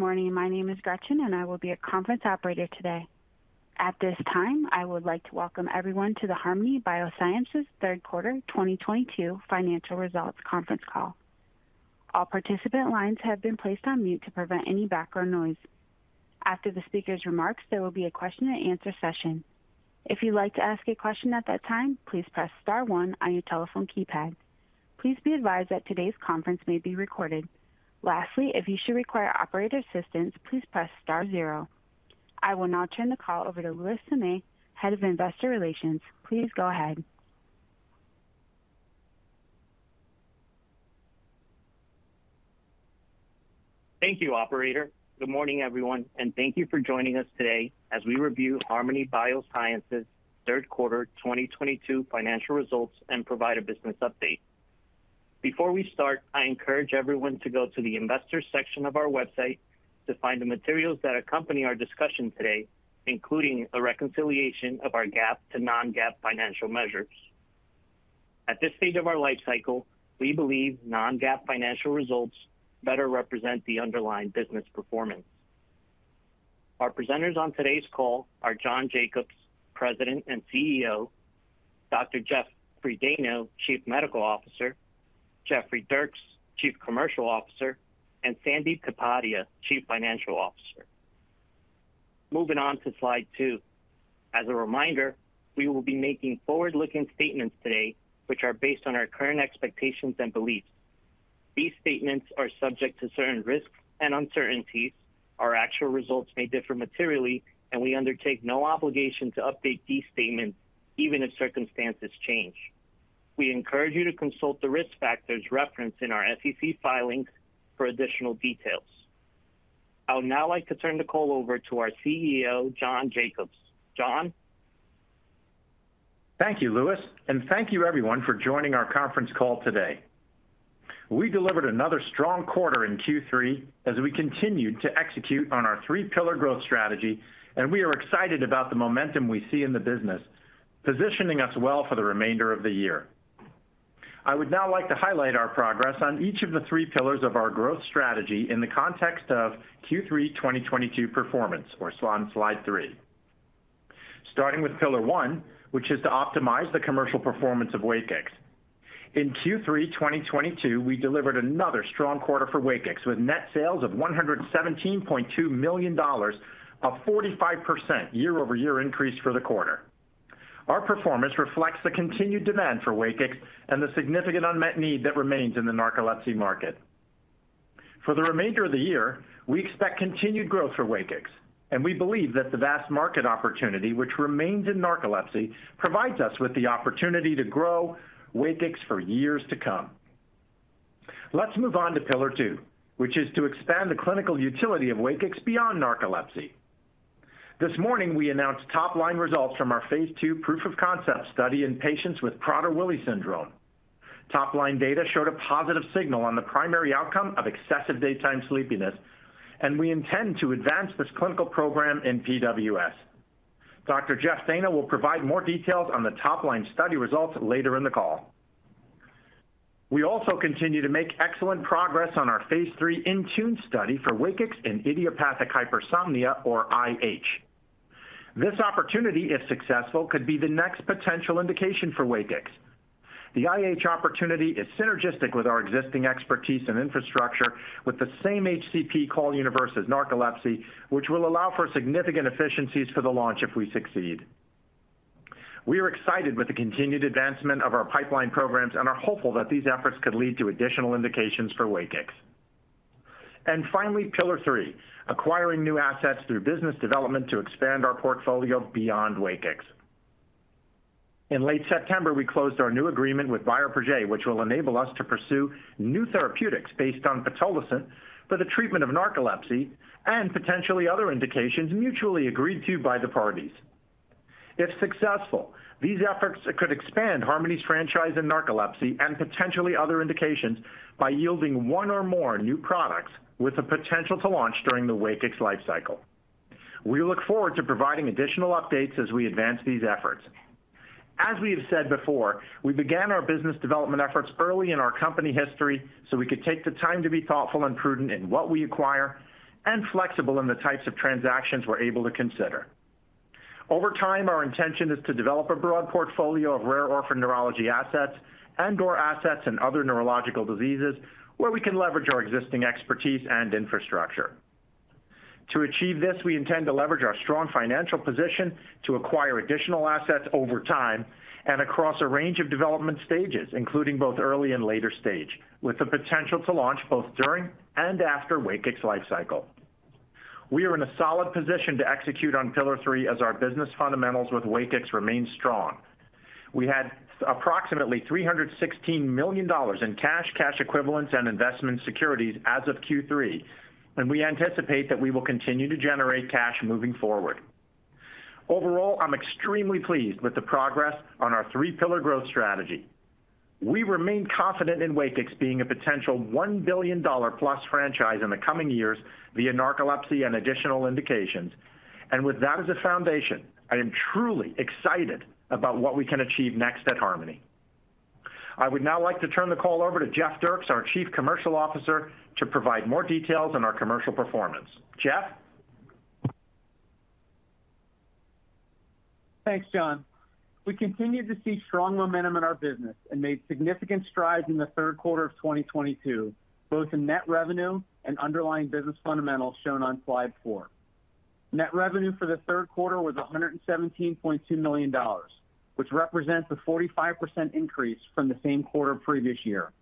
Good morning. My name is Gretchen and I will be your conference operator today. At this time, I would like to welcome everyone to the Harmony Biosciences third quarter 2022 financial results conference call. All participant lines have been placed on mute to prevent any background noise. After the speaker's remarks, there will be a question-and-answer session. If you'd like to ask a question at that time, please press star one on your telephone keypad. Please be advised that today's conference may be recorded. Lastly, if you should require operator assistance, please press star zero. I will now turn the call over to Luis Sanay, Head of Investor Relations. Please go ahead. Thank you, operator. Good morning, everyone, and thank you for joining us today as we review Harmony Biosciences' third quarter 2022 financial results and provide a business update. Before we start, I encourage everyone to go to the Investors section of our website to find the materials that accompany our discussion today, including a reconciliation of our GAAP to Non-GAAP financial measures. At this stage of our life cycle, we believe Non-GAAP financial results better represent the underlying business performance. Our presenters on today's call are John Jacobs, President and CEO, Dr. Jeffrey M. Dayno, Chief Medical Officer, Jeffrey Dierks, Chief Commercial Officer, and Sandip Kapadia, Chief Financial Officer. Moving on to slide two. As a reminder, we will be making forward-looking statements today, which are based on our current expectations and beliefs. These statements are subject to certain risks and uncertainties. Our actual results may differ materially, and we undertake no obligation to update these statements even if circumstances change. We encourage you to consult the risk factors referenced in our SEC filings for additional details. I would now like to turn the call over to our CEO, John C. Jacobs. John? Thank you, Luis, and thank you everyone for joining our conference call today. We delivered another strong quarter in Q3 as we continued to execute on our three-pillar growth strategy, and we are excited about the momentum we see in the business, positioning us well for the remainder of the year. I would now like to highlight our progress on each of the three pillars of our growth strategy in the context of Q3 2022 performance, as shown on slide three. Starting with pillar one, which is to optimize the commercial performance of Wakix. In Q3 2022, we delivered another strong quarter for Wakix with net sales of $117.2 million, a 45% year-over-year increase for the quarter. Our performance reflects the continued demand for Wakix and the significant unmet need that remains in the narcolepsy market. For the remainder of the year, we expect continued growth for Wakix, and we believe that the vast market opportunity which remains in narcolepsy provides us with the opportunity to grow Wakix for years to come. Let's move on to pillar two, which is to expand the clinical utility of Wakix beyond narcolepsy. This morning we announced top line results from our phase II proof of concept study in patients with Prader-Willi syndrome. Top line data showed a positive signal on the primary outcome of excessive daytime sleepiness, and we intend to advance this clinical program in PWS. Dr. Jeffrey M. Dayno will provide more details on the top line study results later in the call. We also continue to make excellent progress on our phase III INTUNE study for Wakix in idiopathic hypersomnia or IH. This opportunity, if successful, could be the next potential indication for Wakix. The IH opportunity is synergistic with our existing expertise and infrastructure with the same HCP call universe as narcolepsy, which will allow for significant efficiencies for the launch if we succeed. We are excited with the continued advancement of our pipeline programs and are hopeful that these efforts could lead to additional indications for Wakix. Finally, pillar three, acquiring new assets through business development to expand our portfolio beyond Wakix. In late September, we closed our new agreement with Bioprojet, which will enable us to pursue new therapeutics based on pitolisant for the treatment of narcolepsy and potentially other indications mutually agreed to by the parties. If successful, these efforts could expand Harmony's franchise in narcolepsy and potentially other indications by yielding one or more new products with the potential to launch during the Wakix lifecycle. We look forward to providing additional updates as we advance these efforts. As we have said before, we began our business development efforts early in our company history, so we could take the time to be thoughtful and prudent in what we acquire and flexible in the types of transactions we're able to consider. Over time, our intention is to develop a broad portfolio of rare orphan neurology assets and or assets in other neurological diseases where we can leverage our existing expertise and infrastructure. To achieve this, we intend to leverage our strong financial position to acquire additional assets over time and across a range of development stages, including both early and later stage, with the potential to launch both during and after Wakix lifecycle. We are in a solid position to execute on pillar three as our business fundamentals with Wakix remain strong. We had approximately $316 million in cash equivalents and investment securities as of Q3, and we anticipate that we will continue to generate cash moving forward. Overall, I'm extremely pleased with the progress on our three-pillar growth strategy. We remain confident in Wakix being a potential $1 billion-plus franchise in the coming years via narcolepsy and additional indications. With that as a foundation, I am truly excited about what we can achieve next at Harmony. I would now like to turn the call over to Jeffrey Dierks, our Chief Commercial Officer, to provide more details on our commercial performance. Jeff? Thanks, John. We continue to see strong momentum in our business and made significant strides in the third quarter of 2022, both in net revenue and underlying business fundamentals shown on slide four. Net revenue for the third quarter was $117.2 million, which represents a 45% increase from the same quarter previous year.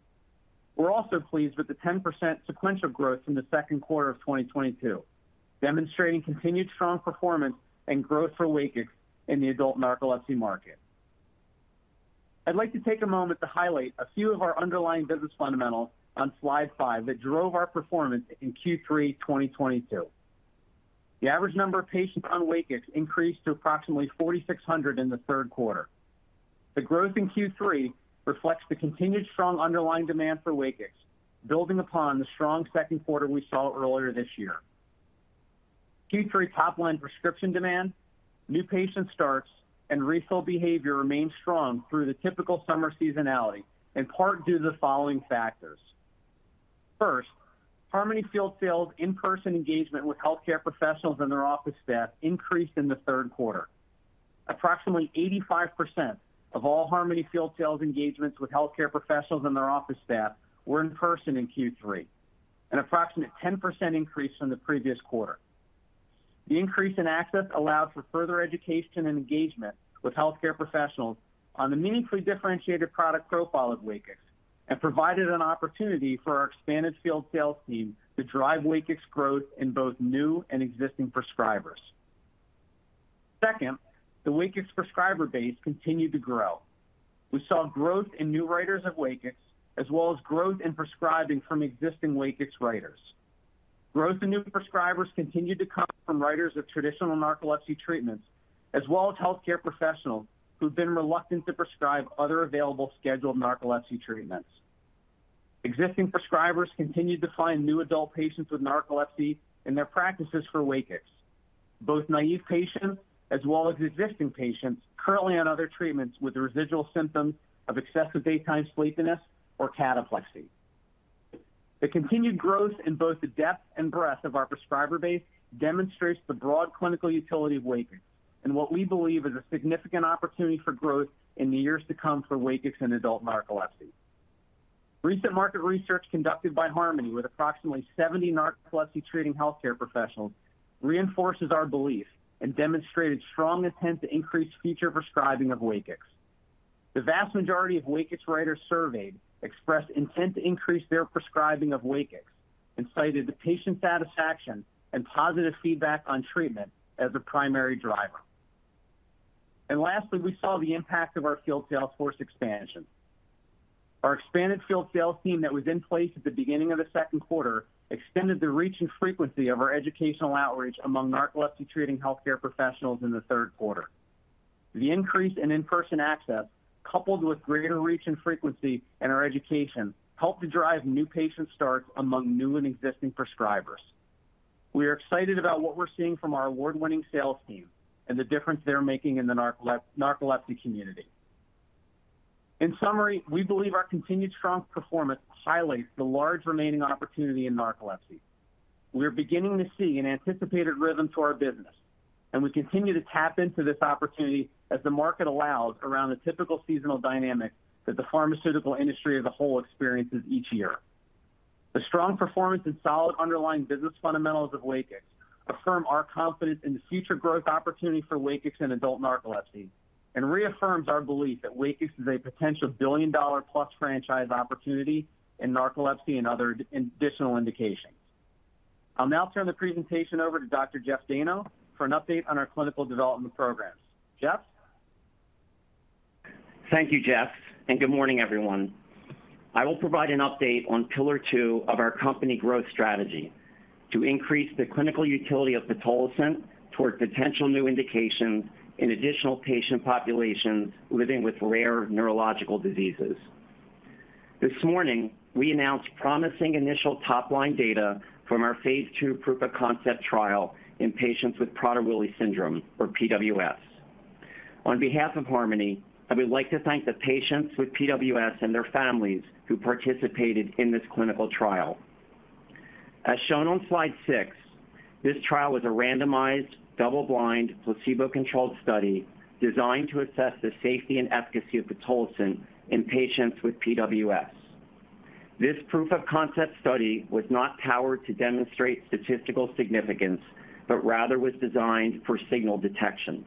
We're also pleased with the 10% sequential growth from the second quarter of 2022, demonstrating continued strong performance and growth for Wakix in the adult narcolepsy market. I'd like to take a moment to highlight a few of our underlying business fundamentals on slide five that drove our performance in Q3 2022. The average number of patients on Wakix increased to approximately 4,600 in the third quarter. The growth in Q3 reflects the continued strong underlying demand for Wakix, building upon the strong second quarter we saw earlier this year. Q3 top-line prescription demand, new patient starts, and refill behavior remained strong through the typical summer seasonality, in part due to the following factors. First, Harmony Field Sales in-person engagement with healthcare professionals and their office staff increased in the third quarter. Approximately 85% of all Harmony Field Sales engagements with healthcare professionals and their office staff were in person in Q3, an approximate 10% increase from the previous quarter. The increase in access allowed for further education and engagement with healthcare professionals on the meaningfully differentiated product profile of Wakix and provided an opportunity for our expanded field sales team to drive Wakix growth in both new and existing prescribers. Second, the Wakix prescriber base continued to grow. We saw growth in new writers of Wakix, as well as growth in prescribing from existing Wakix writers. Growth in new prescribers continued to come from writers of traditional narcolepsy treatments, as well as healthcare professionals who've been reluctant to prescribe other available scheduled narcolepsy treatments. Existing prescribers continued to find new adult patients with narcolepsy in their practices for Wakix, both naive patients as well as existing patients currently on other treatments with residual symptoms of excessive daytime sleepiness or cataplexy. The continued growth in both the depth and breadth of our prescriber base demonstrates the broad clinical utility of Wakix and what we believe is a significant opportunity for growth in the years to come for Wakix in adult narcolepsy. Recent market research conducted by Harmony with approximately 70 narcolepsy-treating healthcare professionals reinforces our belief and demonstrated strong intent to increase future prescribing of Wakix. The vast majority of Wakix writers surveyed expressed intent to increase their prescribing of Wakix and cited the patient satisfaction and positive feedback on treatment as a primary driver. Lastly, we saw the impact of our field sales force expansion. Our expanded field sales team that was in place at the beginning of the second quarter extended the reach and frequency of our educational outreach among narcolepsy-treating healthcare professionals in the third quarter. The increase in in-person access, coupled with greater reach and frequency in our education, helped to drive new patient starts among new and existing prescribers. We are excited about what we're seeing from our award-winning sales team and the difference they're making in the narcolepsy community. In summary, we believe our continued strong performance highlights the large remaining opportunity in narcolepsy. We're beginning to see an anticipated rhythm to our business, and we continue to tap into this opportunity as the market allows around the typical seasonal dynamic that the pharmaceutical industry as a whole experiences each year. The strong performance and solid underlying business fundamentals of Wakix affirm our confidence in the future growth opportunity for Wakix in adult narcolepsy and reaffirms our belief that Wakix is a potential billion-dollar-plus franchise opportunity in narcolepsy and other additional indications. I'll now turn the presentation over to Dr. Jeffrey M. Dayno for an update on our clinical development programs. Jeff? Thank you, Jeff, and good morning, everyone. I will provide an update on pillar two of our company growth strategy to increase the clinical utility of pitolisant toward potential new indications in additional patient populations living with rare neurological diseases. This morning, we announced promising initial top-line data from our phase II proof-of-concept trial in patients with Prader-Willi syndrome, or PWS. On behalf of Harmony, I would like to thank the patients with PWS and their families who participated in this clinical trial. As shown on slide six, this trial was a randomized, double-blind, placebo-controlled study designed to assess the safety and efficacy of pitolisant in patients with PWS. This proof of concept study was not powered to demonstrate statistical significance but rather was designed for signal detection.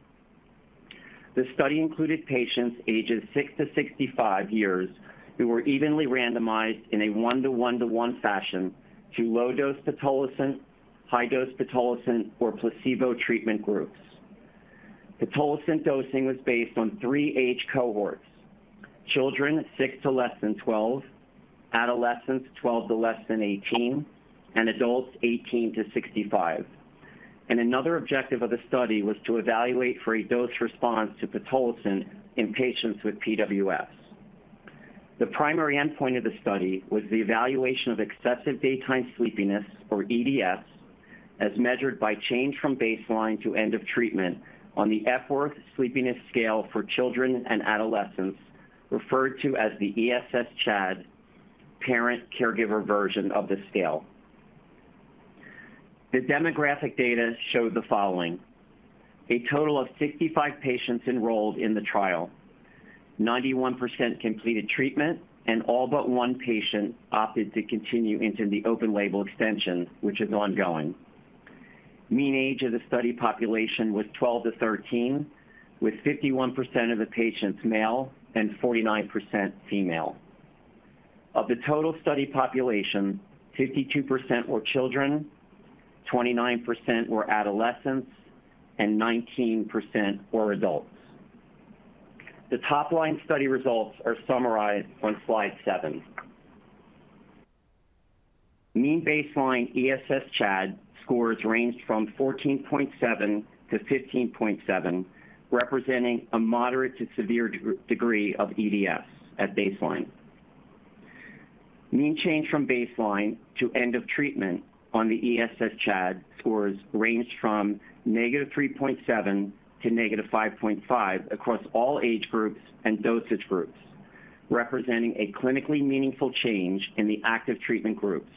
The study included patients ages 6-65 years who were evenly randomized in a one-to-one-to-one fashion to low-dose pitolisant, high-dose pitolisant, or placebo treatment groups. Pitolisant dosing was based on three age cohorts: children six to less than 12, adolescents 12 to less than 18, and adults 18-65. Another objective of the study was to evaluate for a dose response to pitolisant in patients with PWS. The primary endpoint of the study was the evaluation of excessive daytime sleepiness, or EDS, as measured by change from baseline to end of treatment on the Epworth Sleepiness Scale for Children and Adolescents, referred to as the ESS-CHAD, parent/caregiver version of the scale. The demographic data showed the following. A total of 65 patients enrolled in the trial. 91% completed treatment, and all but one patient opted to continue into the open-label extension, which is ongoing. Mean age of the study population was 12-13, with 51% of the patients male and 49% female. Of the total study population, 52% were children, 29% were adolescents, and 19% were adults. The top-line study results are summarized on slide seven. Mean baseline ESS-CHAD scores ranged from 14.7 to 15.7, representing a moderate to severe degree of EDS at baseline. Mean change from baseline to end of treatment on the ESS-CHAD scores ranged from -3.7 to -5.5 across all age groups and dosage groups, representing a clinically meaningful change in the active treatment groups,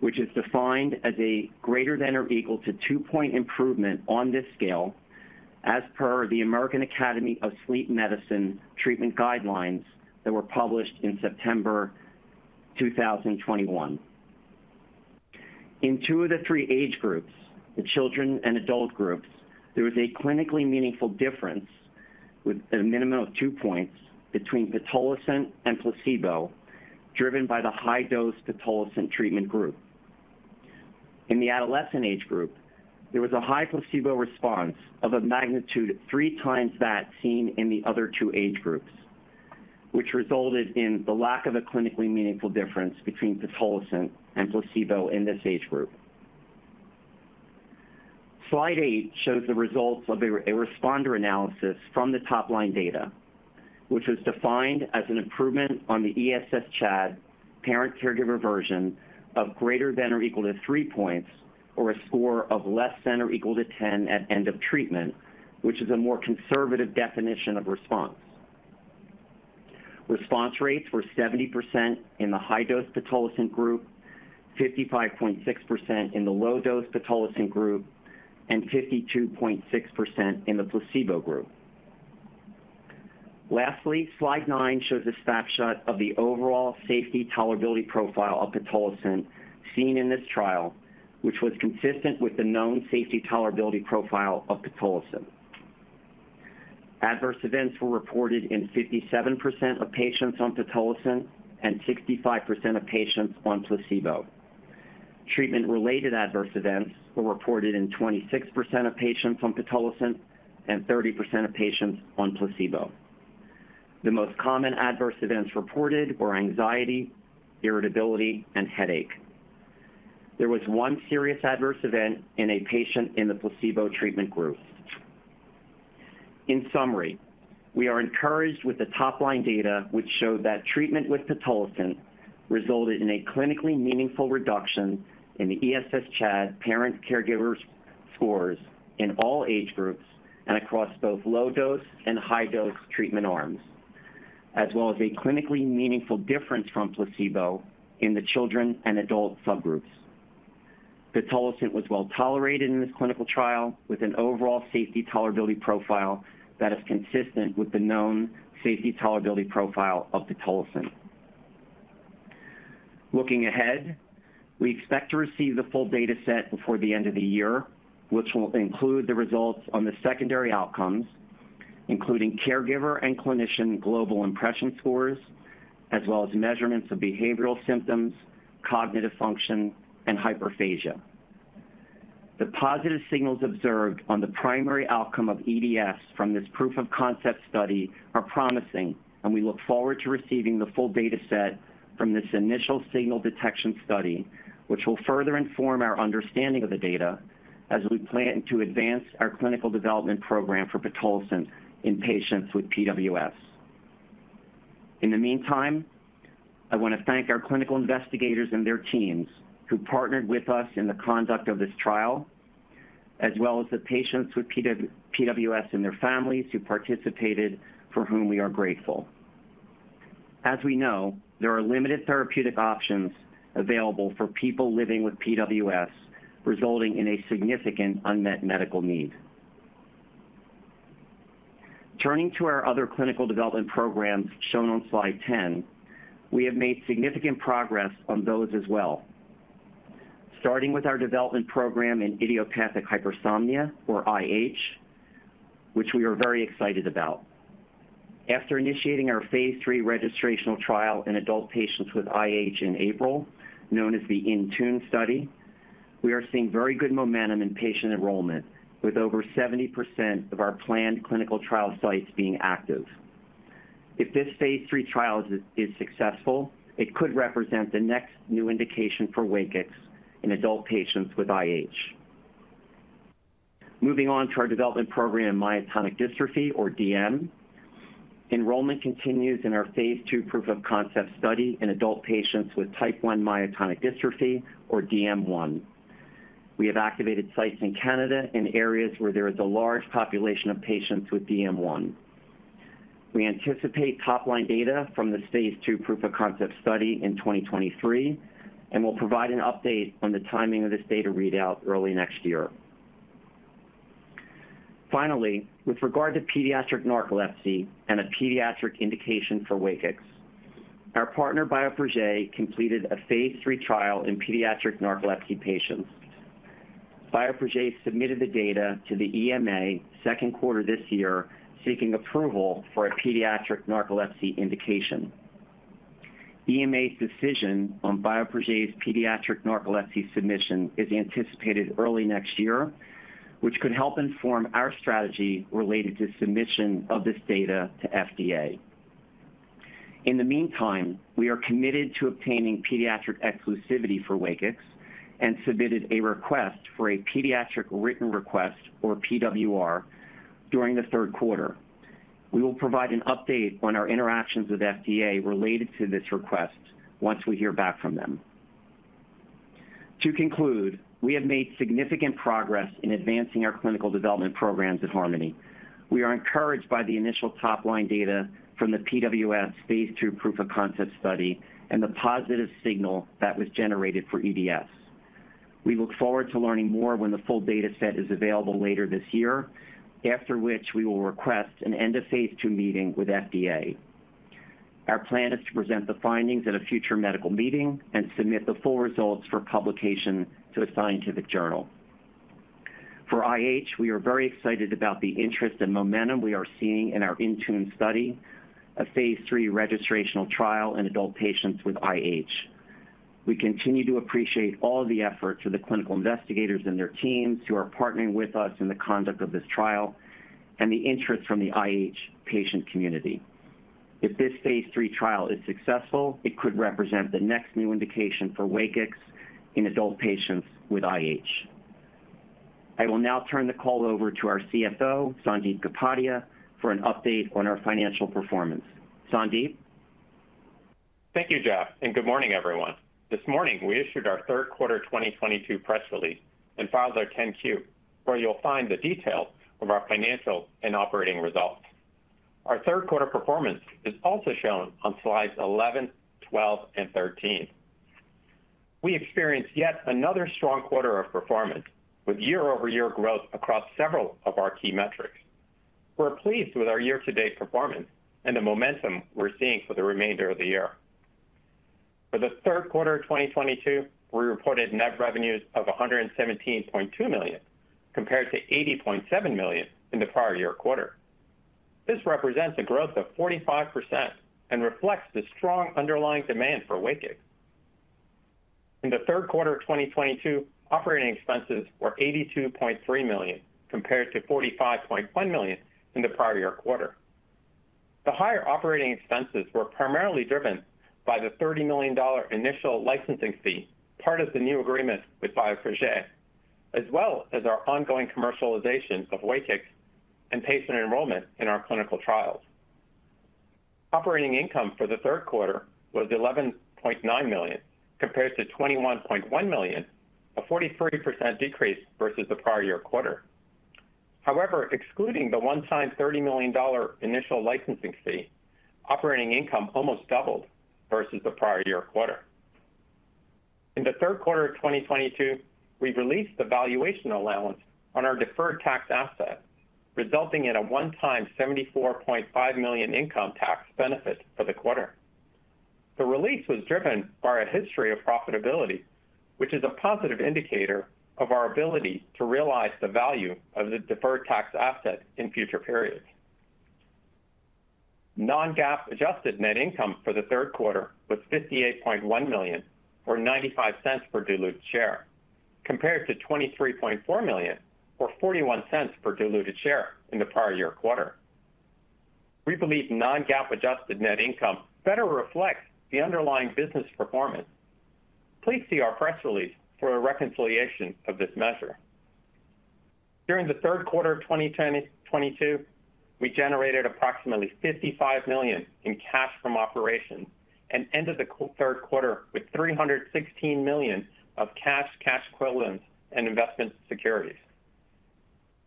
which is defined as a greater than or equal to 2-point improvement on this scale, as per the American Academy of Sleep Medicine treatment guidelines that were published in September 2021. In two of the three age groups, the children and adult groups, there was a clinically meaningful difference with a minimum of two points between pitolisant and placebo, driven by the high dose pitolisant treatment group. In the adolescent age group, there was a high placebo response of a magnitude three times that seen in the other two age groups, which resulted in the lack of a clinically meaningful difference between pitolisant and placebo in this age group. Slide eight shows the results of a responder analysis from the top-line data, which was defined as an improvement on the ESS-CHAD parent/caregiver version of greater than or equal to three points or a score of less than or equal to 10 at end of treatment, which is a more conservative definition of response. Response rates were 70% in the high-dose pitolisant group, 55.6% in the low-dose pitolisant group, and 52.6% in the placebo group. Lastly, slide nine shows a snapshot of the overall safety tolerability profile of pitolisant seen in this trial, which was consistent with the known safety tolerability profile of pitolisant. Adverse events were reported in 57% of patients on pitolisant and 65% of patients on placebo. Treatment-related adverse events were reported in 26% of patients on pitolisant and 30% of patients on placebo. The most common adverse events reported were anxiety, irritability, and headache. There was 1 serious adverse event in a patient in the placebo treatment group. In summary, we are encouraged with the top-line data which showed that treatment with pitolisant resulted in a clinically meaningful reduction in the ESS-CHAD parent/caregivers scores in all age groups and across both low-dose and high-dose treatment arms, as well as a clinically meaningful difference from placebo in the children and adult subgroups. Pitolisant was well-tolerated in this clinical trial with an overall safety tolerability profile that is consistent with the known safety tolerability profile of pitolisant. Looking ahead, we expect to receive the full data set before the end of the year, which will include the results on the secondary outcomes, including caregiver and clinician global impression scores, as well as measurements of behavioral symptoms, cognitive function, and hyperphagia. The positive signals observed on the primary outcome of EDS from this proof of concept study are promising, and we look forward to receiving the full data set from this initial signal detection study, which will further inform our understanding of the data as we plan to advance our clinical development program for pitolisant in patients with PWS. In the meantime, I want to thank our clinical investigators and their teams who partnered with us in the conduct of this trial, as well as the patients with PWS and their families who participated, for whom we are grateful. As we know, there are limited therapeutic options available for people living with PWS, resulting in a significant unmet medical need. Turning to our other clinical development programs shown on slide 10, we have made significant progress on those as well. Starting with our development program in idiopathic hypersomnia, or IH, which we are very excited about. After initiating our phase III registrational trial in adult patients with IH in April, known as the INTUNE Study, we are seeing very good momentum in patient enrollment, with over 70% of our planned clinical trial sites being active. If this phase III trial is successful, it could represent the next new indication for Wakix in adult patients with IH. Moving on to our development program, myotonic dystrophy, or DM. Enrollment continues in our phase II proof of concept study in adult patients with type one myotonic dystrophy, or DM1. We have activated sites in Canada in areas where there is a large population of patients with DM1. We anticipate top-line data from the phase II proof of concept study in 2023, and we'll provide an update on the timing of this data readout early next year. Finally, with regard to pediatric narcolepsy and a pediatric indication for Wakix, our partner, Bioprojet, completed a phase III trial in pediatric narcolepsy patients. Bioprojet submitted the data to the EMA in the second quarter this year, seeking approval for a pediatric narcolepsy indication. EMA's decision on Bioprojet's pediatric narcolepsy submission is anticipated early next year, which could help inform our strategy related to submission of this data to FDA. In the meantime, we are committed to obtaining pediatric exclusivity for Wakix and submitted a request for a pediatric written request, or PWR, during the third quarter. We will provide an update on our interactions with FDA related to this request once we hear back from them. To conclude, we have made significant progress in advancing our clinical development programs at Harmony. We are encouraged by the initial top-line data from the PWS phase II proof of concept study and the positive signal that was generated for EDS. We look forward to learning more when the full data set is available later this year, after which we will request an end of phase II meeting with FDA. Our plan is to present the findings at a future medical meeting and submit the full results for publication to a scientific journal. For IH, we are very excited about the interest and momentum we are seeing in our INTUNE study, a phase III registrational trial in adult patients with IH. We continue to appreciate all the efforts of the clinical investigators and their teams who are partnering with us in the conduct of this trial and the interest from the IH patient community. If this phase III trial is successful, it could represent the next new indication for Wakix in adult patients with IH. I will now turn the call over to our CFO, Sandip Kapadia, for an update on our financial performance. Sandip? Thank you, Jeff, and good morning, everyone. This morning, we issued our third quarter 2022 press release and filed our 10-Q, where you'll find the details of our financial and operating results. Our third quarter performance is also shown on slides 11, 12, and 13. We experienced yet another strong quarter of performance with year-over-year growth across several of our key metrics. We're pleased with our year-to-date performance and the momentum we're seeing for the remainder of the year. For the third quarter of 2022, we reported net revenues of $117.2 million, compared to $80.7 million in the prior year quarter. This represents a growth of 45% and reflects the strong underlying demand for Wakix. In the third quarter of 2022, operating expenses were $82.3 million, compared to $45.1 million in the prior year quarter. The higher operating expenses were primarily driven by the $30 million initial licensing fee, part of the new agreement with Bioprojet, as well as our ongoing commercialization of Wakix and patient enrollment in our clinical trials. Operating income for the third quarter was $11.9 million, compared to $21.1 million, a 43% decrease versus the prior year quarter. However, excluding the one-time $30 million initial licensing fee, operating income almost doubled versus the prior year quarter. In the third quarter of 2022, we released the valuation allowance on our deferred tax asset, resulting in a one-time $74.5 million income tax benefit for the quarter. The release was driven by our history of profitability, which is a positive indicator of our ability to realize the value of the deferred tax asset in future periods. Non-GAAP adjusted net income for the third quarter was $58.1 million, or $0.95 per diluted share, compared to $23.4 million, or $0.41 per diluted share in the prior year quarter. We believe Non-GAAP adjusted net income better reflects the underlying business performance. Please see our press release for a reconciliation of this measure. During the third quarter of 2022, we generated approximately $55 million in cash from operations and ended the third quarter with $316 million of cash equivalents, and investment securities.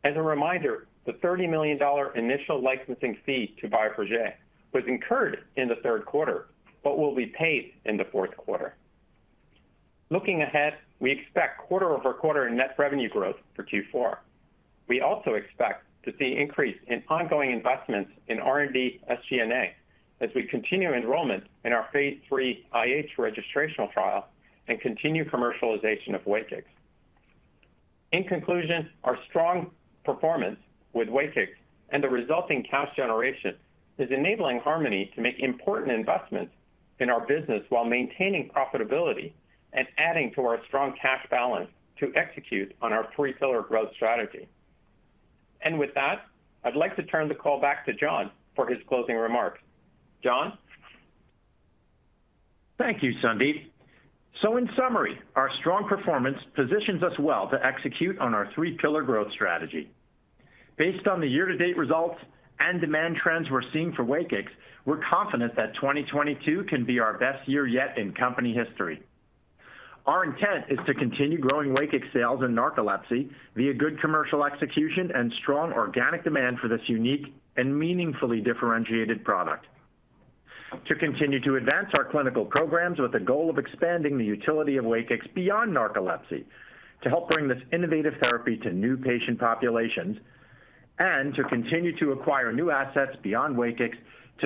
As a reminder, the $30 million initial licensing fee to Bioprojet was incurred in the third quarter but will be paid in the fourth quarter. Looking ahead, we expect quarter-over-quarter in net revenue growth for Q4. We also expect to see increase in ongoing investments in R&D, SG&A as we continue enrollment in our phase III IH registrational trial and continue commercialization of Wakix. In conclusion, our strong performance with Wakix and the resulting cash generation is enabling Harmony to make important investments in our business while maintaining profitability and adding to our strong cash balance to execute on our three-pillar growth strategy. With that, I'd like to turn the call back to John Jacobs for his closing remarks. John Jacobs? Thank you, Sandip. In summary, our strong performance positions us well to execute on our three-pillar growth strategy. Based on the year-to-date results and demand trends we're seeing for Wakix, we're confident that 2022 can be our best year yet in company history. Our intent is to continue growing Wakix sales in narcolepsy via good commercial execution and strong organic demand for this unique and meaningfully differentiated product. To continue to advance our clinical programs with the goal of expanding the utility of Wakix beyond narcolepsy to help bring this innovative therapy to new patient populations, and to continue to acquire new assets beyond Wakix to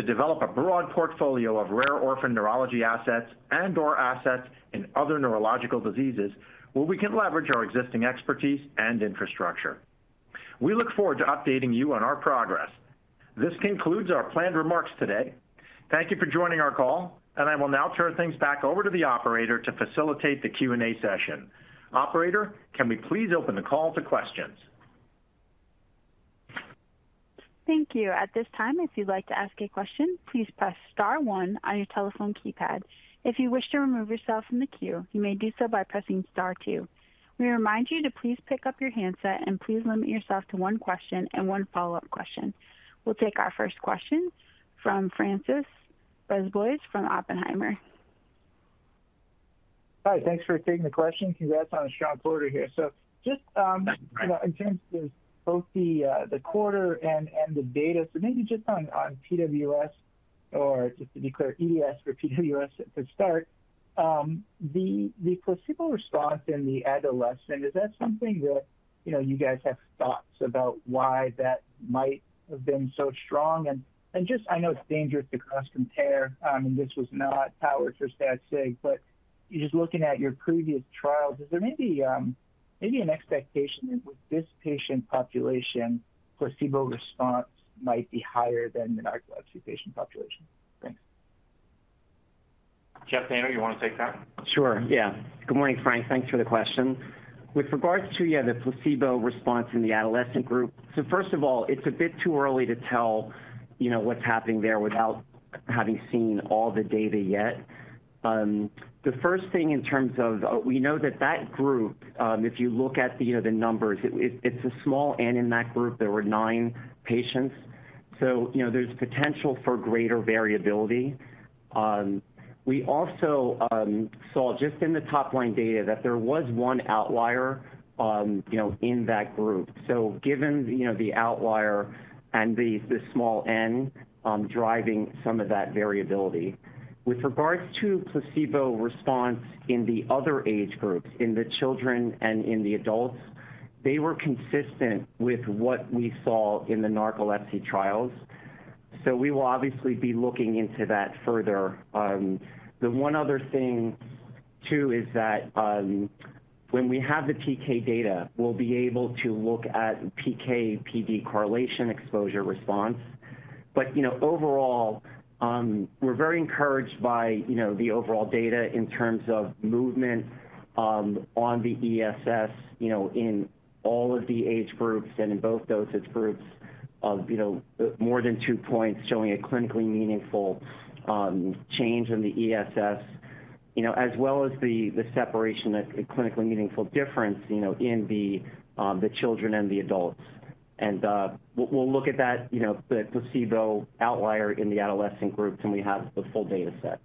develop a broad portfolio of rare orphan neurology assets and or assets in other neurological diseases where we can leverage our existing expertise and infrastructure. We look forward to updating you on our progress. This concludes our planned remarks today. Thank you for joining our call, and I will now turn things back over to the operator to facilitate the Q&A session. Operator, can we please open the call to questions? Thank you. At this time, if you'd like to ask a question, please press star one on your telephone keypad. If you wish to remove yourself from the queue, you may do so by pressing star two. We remind you to please pick up your handset and please limit yourself to one question and one follow-up question. We'll take our first question from Francois Brisebois from Oppenheimer. Hi. Thanks for taking the question. Congrats on a strong quarter here. Just, you know, in terms of both the quarter and the data. Maybe just on PWS or just to be clear, EDS for PWS to start, the placebo response in the adolescent, is that something that you guys have thoughts about why that might have been so strong? Just, I know it's dangerous to cross compare, and this was not powered for stat sig, but just looking at your previous trials, is there maybe an expectation that with this patient population, placebo response might be higher than the narcolepsy patient population? Thanks. Jeffrey Dayno, you wanna take that? Sure, yeah. Good morning, Frank. Thanks for the question. With regards to the placebo response in the adolescent group. First of all, it's a bit too early to tell, you know, what's happening there without having seen all the data yet. The first thing in terms of we know that group, if you look at the, you know, the numbers, it's a small n in that group there were nine patients. You know, there's potential for greater variability. We also saw just in the top line data that there was one outlier, you know, in that group. Given, you know, the outlier and the small N driving some of that variability. With regards to placebo response in the other age groups, in the children and in the adults, they were consistent with what we saw in the narcolepsy trials. We will obviously be looking into that further. The one other thing too is that, when we have the PK data, we'll be able to look at PK/PD correlation exposure response. You know, overall, we're very encouraged by, you know, the overall data in terms of movement, on the ESS, you know, in all of the age groups and in both dosage groups of, you know, more than two points showing a clinically meaningful, change in the ESS. You know, as well as the separation, a clinically meaningful difference, you know, in the children and the adults. We'll look at that, you know, the placebo outlier in the adolescent groups when we have the full data set.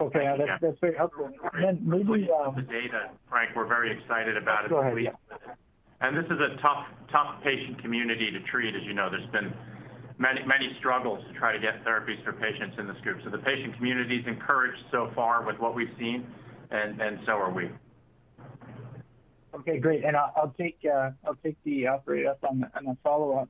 Okay. Maybe, The data, Frank, we're very excited about it. Go ahead, yeah. This is a tough patient community to treat. As you know, there's been many struggles to try to get therapies for patients in this group. The patient community is encouraged so far with what we've seen, and so are we. Okay, great. I'll offer it up on a follow-up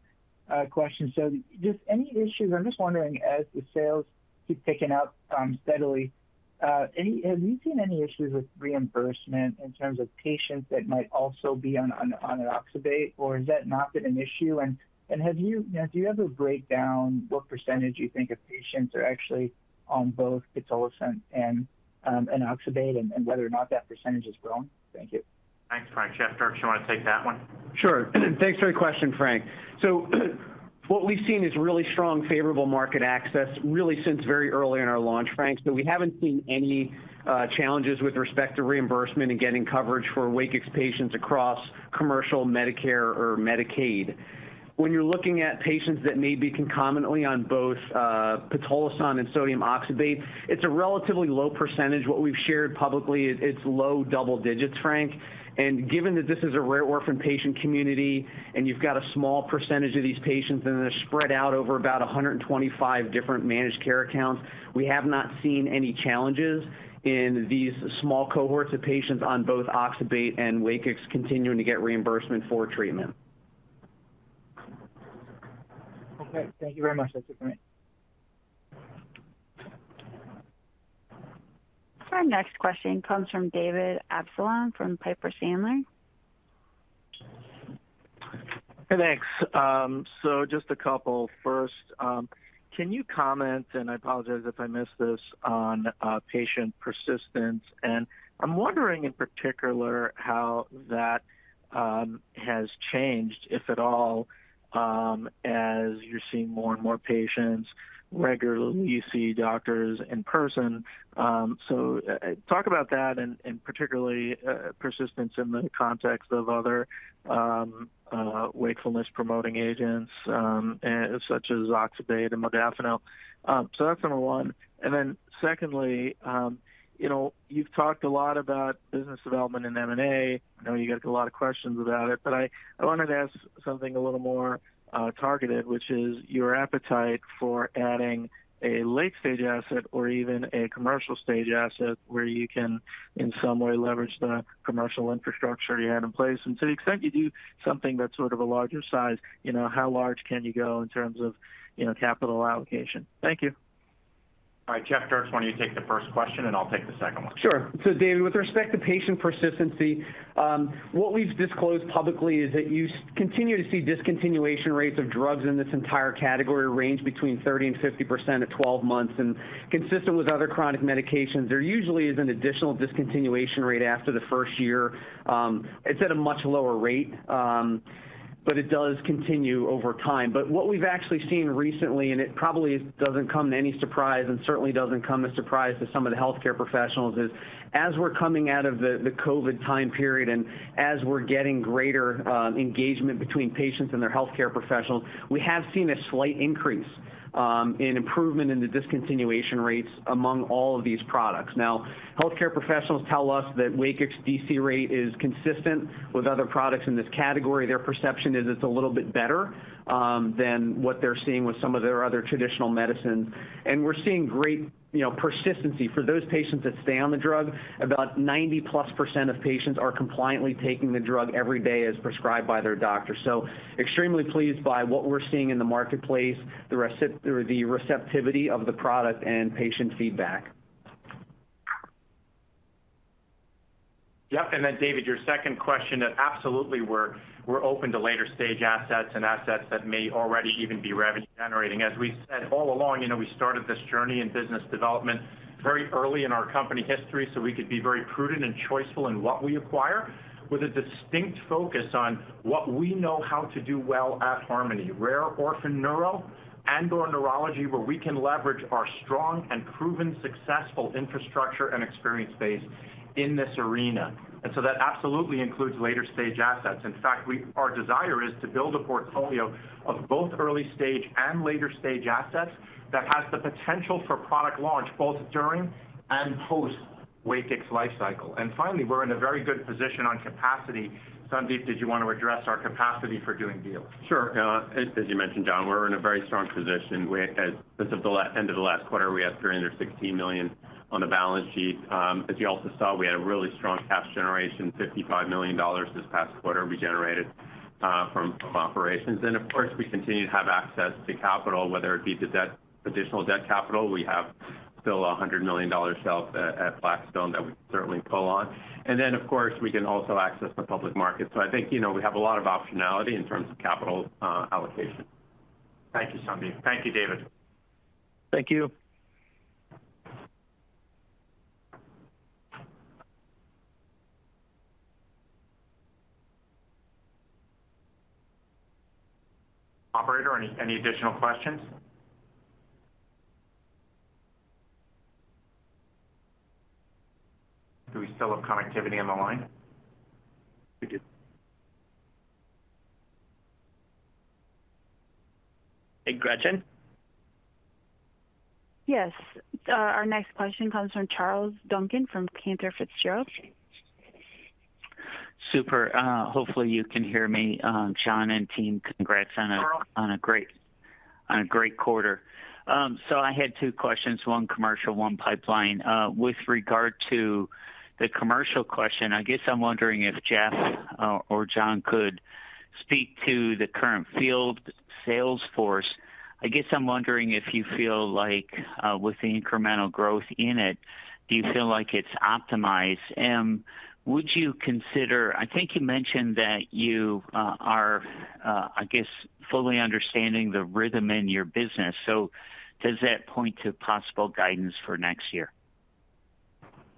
question. Just any issues. I'm just wondering as the sales keep ticking up steadily, have you seen any issues with reimbursement in terms of patients that might also be on oxybate or has that not been an issue? Do you have a breakdown what percentage you think of patients are actually on both pitolisant and oxybate and whether or not that percentage has grown? Thank you. Thanks, Francois Brisebois. Jeffrey Dierks, do you want to take that one? Sure. Thanks for your question, Frank. What we've seen is really strong favorable market access really since very early in our launch, Frank. We haven't seen any challenges with respect to reimbursement and getting coverage for Wakix patients across commercial, Medicare or Medicaid. When you're looking at patients that may be concomitantly on both pitolisant and sodium oxybate, it's a relatively low percentage. What we've shared publicly, it's low double digits, Frank. Given that this is a rare orphan patient community and you've got a small percentage of these patients, and they're spread out over about 125 different managed care accounts, we have not seen any challenges in these small cohorts of patients on both oxybate and Wakix continuing to get reimbursement for treatment. Okay. Thank you very much. That's it for me. Our next question comes from David Amsellem from Piper Sandler. Thanks. Just a couple. First, can you comment, and I apologize if I missed this, on patient persistence? I'm wondering in particular how that has changed, if at all, as you're seeing more and more patients regularly, you see doctors in person. Talk about that and particularly persistence in the context of other wakefulness-promoting agents, such as oxybate and modafinil. That's number one. Secondly, you know, you've talked a lot about business development and M&A. I know you got a lot of questions about it, but I wanted to ask something a little more targeted, which is your appetite for adding a late-stage asset or even a commercial stage asset where you can, in some way, leverage the commercial infrastructure you had in place. To the extent you do something that's sort of a larger size, you know, how large can you go in terms of, you know, capital allocation? Thank you. All right. Jeffrey Dierks, why don't you take the first question, and I'll take the second one? Sure. David, with respect to patient persistency, what we've disclosed publicly is that you continue to see discontinuation rates of drugs in this entire category range between 30% and 50% at 12 months. Consistent with other chronic medications, there usually is an additional discontinuation rate after the first year. It's at a much lower rate, but it does continue over time. What we've actually seen recently, and it probably doesn't come as any surprise and certainly doesn't come as a surprise to some of the healthcare professionals, is as we're coming out of the COVID time period, and as we're getting greater engagement between patients and their healthcare professionals, we have seen a slight increase in improvement in the discontinuation rates among all of these products. Now, healthcare professionals tell us that Wakix DC rate is consistent with other products in this category. Their perception is it's a little bit better than what they're seeing with some of their other traditional medicines. We're seeing great, you know, persistency for those patients that stay on the drug. About 90%+ of patients are compliantly taking the drug every day as prescribed by their doctor. Extremely pleased by what we're seeing in the marketplace, the receptivity of the product and patient feedback. Yep. David, your second question, that absolutely we're open to later stage assets and assets that may already even be revenue generating. As we said all along, you know, we started this journey in business development very early in our company history, so we could be very prudent and choiceful in what we acquire with a distinct focus on what we know how to do well at Harmony, rare orphan neuro and or neurology, where we can leverage our strong and proven successful infrastructure and experience base in this arena. That absolutely includes later stage assets. In fact, our desire is to build a portfolio of both early stage and later stage assets that has the potential for product launch both during and post Wakix lifecycle. Finally, we're in a very good position on capacity. Sandip, did you wanna address our capacity for doing deals? Sure. As you mentioned, John, we're in a very strong position. We're at, as of the end of the last quarter, we had $316 million on the balance sheet. As you also saw, we had a really strong cash generation, $55 million this past quarter we generated from operations. Of course, we continue to have access to capital, whether it be the debt, additional debt capital. We have still a $100 million shelf at Blackstone that we can certainly pull on. Then of course, we can also access the public market. I think, you know, we have a lot of optionality in terms of capital allocation. Thank you, Sandip. Thank you, David. Thank you. Operator, any additional questions? Do we still have connectivity on the line? We do. Hey, Gretchen? Yes. Our next question comes from Charles Duncan from Cantor Fitzgerald. Super. Hopefully you can hear me. John and team, congrats on a- We can. On a great quarter. I had two questions, one commercial, one pipeline. With regard to the commercial question, I guess I'm wondering if Jeff or John could speak to the current field sales force. I guess I'm wondering if you feel like, with the incremental growth in it, do you feel like it's optimized? Would you consider. I think you mentioned that you are, I guess, fully understanding the rhythm in your business. Does that point to possible guidance for next year?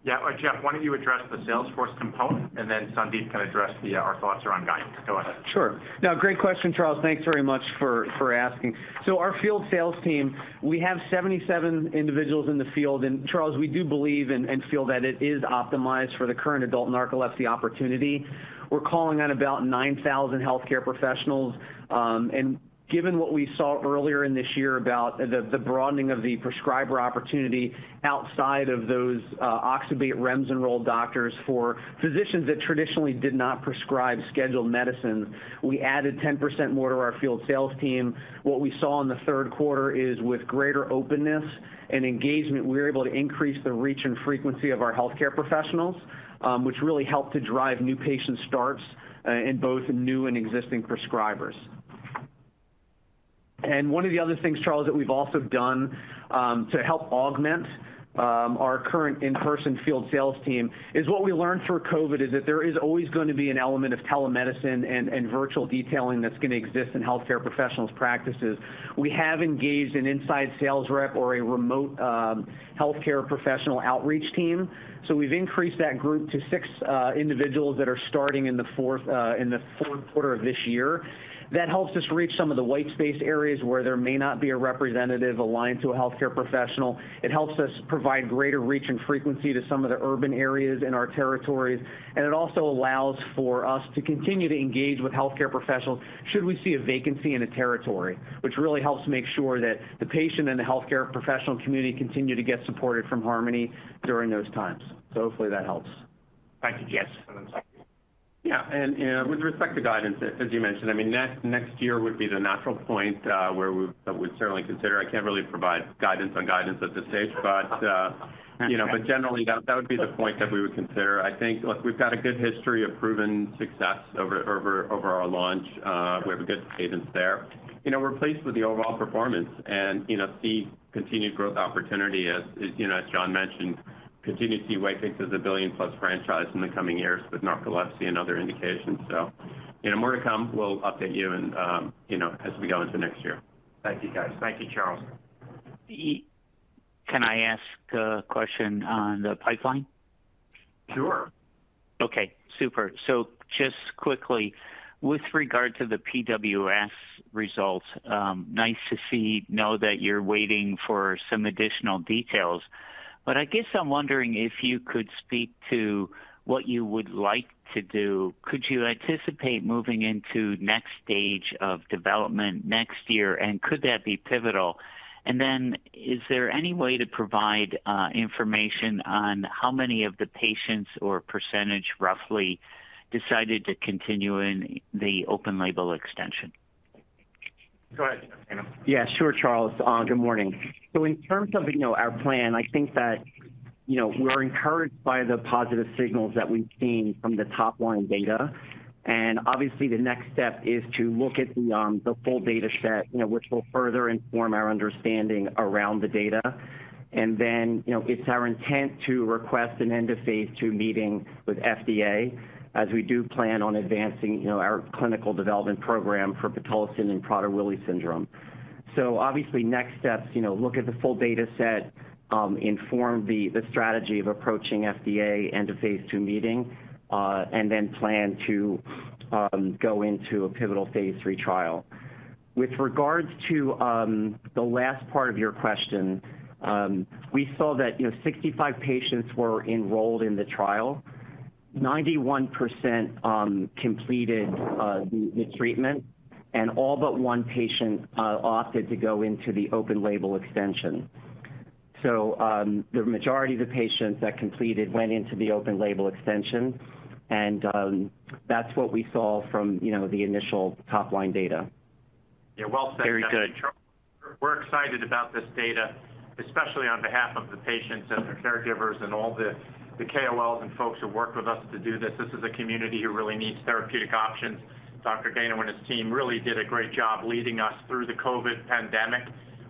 Yeah. Jeff, why don't you address the sales force component and then Sandip can address our thoughts around guidance. Go ahead. Sure. No, great question, Charles. Thanks very much for asking. Our field sales team, we have 77 individuals in the field. Charles, we do believe and feel that it is optimized for the current adult narcolepsy opportunity. We're calling on about 9,000 healthcare professionals. Given what we saw earlier in this year about the broadening of the prescriber opportunity outside of those oxybate REMS-enrolled doctors for physicians that traditionally did not prescribe scheduled medicines, we added 10% more to our field sales team. What we saw in the third quarter is with greater openness and engagement, we were able to increase the reach and frequency of our healthcare professionals, which really helped to drive new patient starts in both new and existing prescribers. One of the other things, Charles, that we've also done to help augment our current in-person field sales team is what we learned through COVID is that there is always going to be an element of telemedicine and virtual detailing that's going to exist in healthcare professionals' practices. We have engaged an inside sales rep or a remote healthcare professional outreach team. We've increased that group to six individuals that are starting in the fourth quarter of this year. That helps us reach some of the white space areas where there may not be a representative aligned to a healthcare professional. It helps us provide greater reach and frequency to some of the urban areas in our territories. It also allows for us to continue to engage with healthcare professionals should we see a vacancy in a territory, which really helps make sure that the patient and the healthcare professional community continue to get supported from Harmony during those times. Hopefully that helps. Thank you, Jeff, and then Yeah. With respect to guidance, as you mentioned, I mean, next year would be the natural point where we would certainly consider. I can't really provide guidance on guidance at this stage. You know, generally that would be the point that we would consider. Look, we've got a good history of proven success over our launch. We have a good cadence there. You know, we're pleased with the overall performance, and you know see continued growth opportunity as you know, as John mentioned, continue to see Wakix as a billion-plus franchise in the coming years with narcolepsy and other indications. You know, more to come. We'll update you and you know, as we go into next year. Thank you, guys. Thank you, Charles. Can I ask a question on the pipeline? Sure. Okay, super. Just quickly, with regard to the PWS results, nice to know that you're waiting for some additional details. I guess I'm wondering if you could speak to what you would like to do. Could you anticipate moving into next stage of development next year, and could that be pivotal? Is there any way to provide information on how many of the patients or percentage roughly decided to continue in the open label extension? Go ahead, Dayno. Yeah, sure, Charles. Good morning. In terms of, you know, our plan, I think that, you know, we're encouraged by the positive signals that we've seen from the top-line data. Obviously, the next step is to look at the full data set, you know, which will further inform our understanding around the data. It's our intent to request an end-of-phase II meeting with FDA, as we do plan on advancing, you know, our clinical development program for pitolisant and Prader-Willi syndrome. Obviously, next steps, you know, look at the full data set, inform the strategy of approaching FDA and the phase II meeting, and then plan to go into a pivotal phase III trial. With regards to the last part of your question, we saw that, you know, 65 patients were enrolled in the trial. 91% completed the treatment, and all but one patient opted to go into the open label extension. The majority of the patients that completed went into the open label extension, and that's what we saw from, you know, the initial top-line data. Yeah. Well said. Very good. Charles, we're excited about this data, especially on behalf of the patients and their caregivers and all the KOLs and folks who worked with us to do this. This is a community who really needs therapeutic options. Dr. Dayno and his team really did a great job leading us through the COVID pandemic,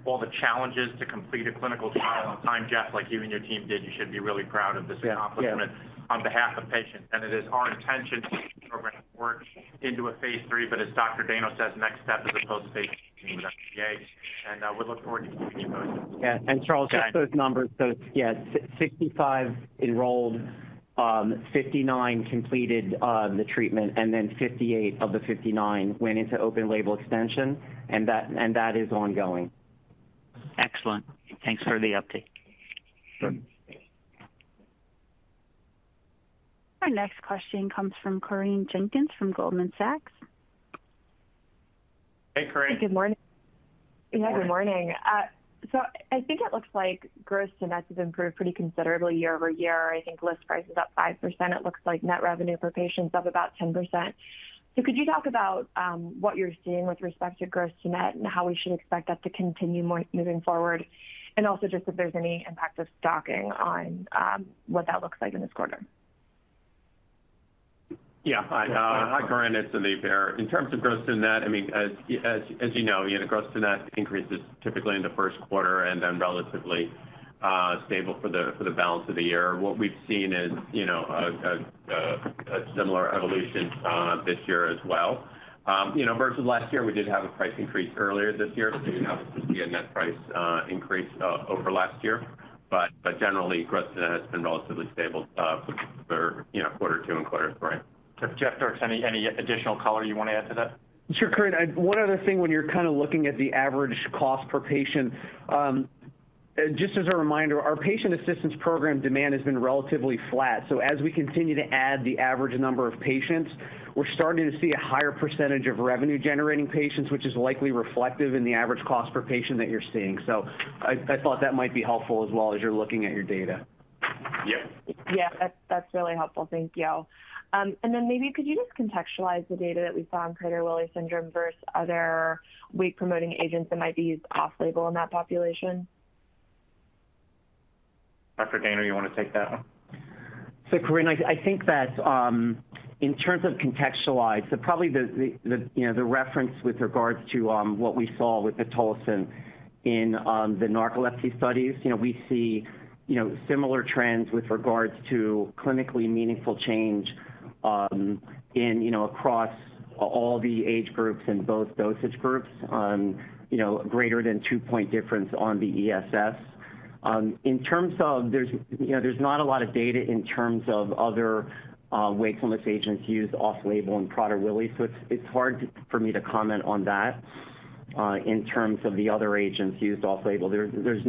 all the challenges to complete a clinical trial on time, Jeff, like you and your team did. You should be really proud of this accomplishment. Yeah, yeah. On behalf of patients. It is our intention to work into a phase III, but as Dr. Dayno says, next step is a post-phase with FDA, and we look forward to keeping you posted. Yeah. Charles- Yeah Just those numbers. Yeah, 65 enrolled, 59 completed the treatment, and then 58 of the 59 went into open label extension, and that is ongoing. Excellent. Thanks for the update. Sure. Our next question comes from Corinne Jenkins from Goldman Sachs. Hey, Corinne. Good morning. Yeah, good morning. I think it looks like gross to net has improved pretty considerably year-over-year. I think list price is up 5%. It looks like net revenue per patient is up about 10%. Could you talk about what you're seeing with respect to gross to net and how we should expect that to continue moving forward? Also, just if there's any impact of stocking on what that looks like in this quarter. Yeah. Hi, Corinne, it's Sandip Kapadia. In terms of gross to net, I mean, as you know, gross to net increases typically in the first quarter and then relatively stable for the balance of the year. What we've seen is, you know, a similar evolution this year as well. You know, versus last year, we did have a price increase earlier this year. So we have a net price increase over last year. But generally gross to net has been relatively stable for you know, quarter two and quarter three. Jeff, is there any additional color you wanna add to that? Sure, Corinne. One other thing when you're kind of looking at the average cost per patient. Just as a reminder, our patient assistance program demand has been relatively flat. As we continue to add the average number of patients, we're starting to see a higher percentage of revenue generating patients, which is likely reflective in the average cost per patient that you're seeing. I thought that might be helpful as well as you're looking at your data. Yep. Yeah, that's really helpful. Thank you. Maybe could you just contextualize the data that we saw on Prader-Willi syndrome versus other wake-promoting agents that might be used off label in that population? Dr. Dayno, you wanna take that one? Corinne, I think that in terms of contextualized, probably the reference with regards to what we saw with pitolisant in the narcolepsy studies. You know, we see similar trends with regards to clinically meaningful change in across all the age groups in both dosage groups. You know, greater than 2-point difference on the ESS. In terms of there's not a lot of data in terms of other wakefulness agents used off-label in Prader-Willi, so it's hard for me to comment on that in terms of the other agents used off-label. There's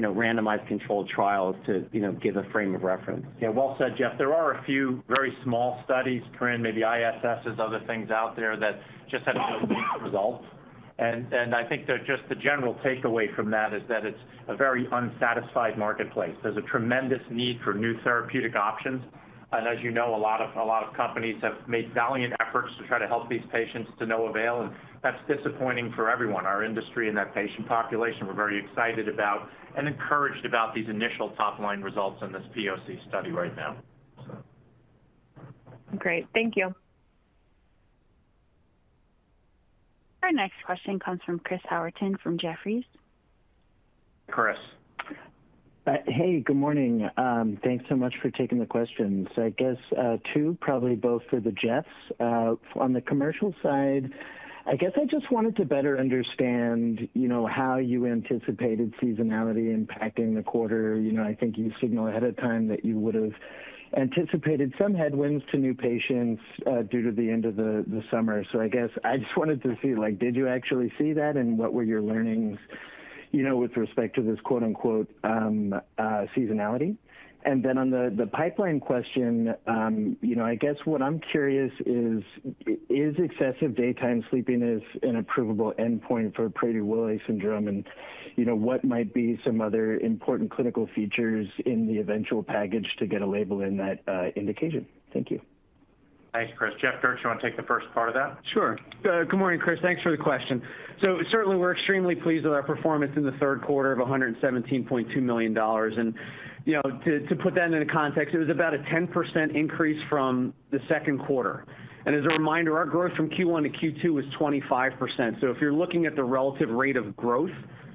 no randomized controlled trials to give a frame of reference. Yeah. Well said, Jeff. There are a few very small studies, Corinne, maybe ISSs, other things out there that just have weak results. I think that just the general takeaway from that is that it's a very unsatisfied marketplace. There's a tremendous need for new therapeutic options, and as you know, a lot of companies have made valiant efforts to try to help these patients to no avail, and that's disappointing for everyone, our industry and that patient population. We're very excited about and encouraged about these initial top-line results in this POC study right now, so. Great. Thank you. Our next question comes from Chris Howerton from Jefferies. Chris. Hey, good morning. Thanks so much for taking the questions. I guess two, probably both for the Jeffs. On the commercial side, I guess I just wanted to better understand, you know, how you anticipated seasonality impacting the quarter. You know, I think you signaled ahead of time that you would've anticipated some headwinds to new patients due to the end of the summer. I guess I just wanted to see, like, did you actually see that, and what were your learnings, you know, with respect to this quote-unquote seasonality? Then on the pipeline question, you know, I guess what I'm curious is excessive daytime sleepiness an approvable endpoint for Prader-Willi syndrome? And, you know, what might be some other important clinical features in the eventual package to get a label in that indication? Thank you. Thanks, Chris. Jeffrey Dierks, you wanna take the first part of that? Sure. Good morning, Chris. Thanks for the question. Certainly, we're extremely pleased with our performance in the third quarter of $117.2 million. You know, to put that into context, it was about a 10% increase from the second quarter. As a reminder, our growth from Q1 to Q2 was 25%. If you're looking at the relative rate of growth